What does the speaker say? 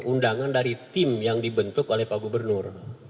undangan dari tim yang dibentuk oleh pak gubernur